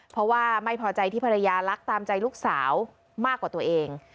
เพราะว่าไม่พอใจที่ภรรยารักตามใจลูกสาวมากกว่าตัวเอง